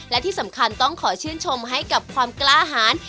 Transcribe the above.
และที่สำคัญต้องขอชื่นชมให้กับความกล้าหาร